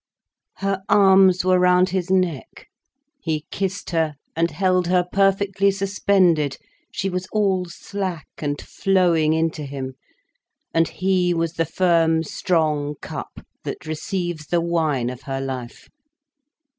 Her arms were round his neck, he kissed her and held her perfectly suspended, she was all slack and flowing into him, and he was the firm, strong cup that receives the wine of her life.